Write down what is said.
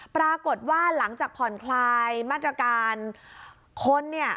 ปรากฏว่าหลังจากผ่อนคลายมาตรการคนเนี่ย